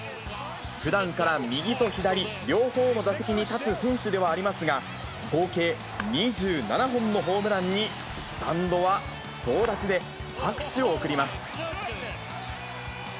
ふだんから右と左、両方の打席に立つ選手ではありますが、合計２７本のホームランにスタンドは総立ちで、拍手を送ります。